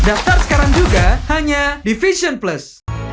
daftar sekarang juga hanya di fashion plus